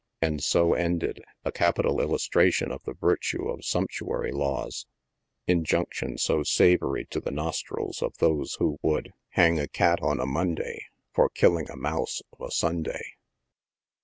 And so ended a capital illustration of the virtue of sumptuary laws — injunction so savory to the nostrils of those who would " Hang a cat on a A'onday For killing a mouse of a Sunday."